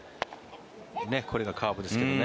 これがカーブですけどね。